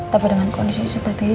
tapi dengan kondisi seperti ini